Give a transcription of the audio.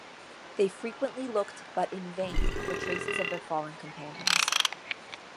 They frequently looked, but in vain, for traces of their fallen companions.